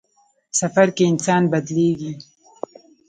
سفر کې انسان بدلېږي.